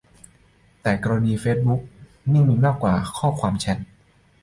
แต่กรณีเฟซบุ๊กนี่มีมากกว่าข้อมูลแชต